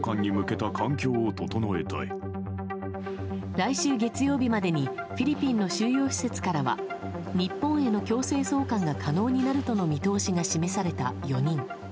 来週月曜日までにフィリピンの収容施設からは日本への強制送還が可能になるとの見通しが示された４人。